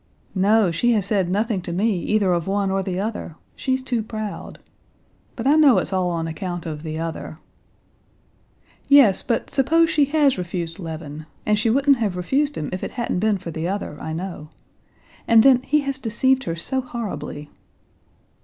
"No, she has said nothing to me either of one or the other; she's too proud. But I know it's all on account of the other." "Yes, but suppose she has refused Levin, and she wouldn't have refused him if it hadn't been for the other, I know. And then, he has deceived her so horribly."